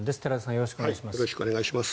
よろしくお願いします。